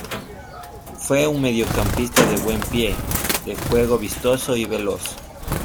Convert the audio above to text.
Fue un mediocampista de buen pie, de juego vistoso y veloz.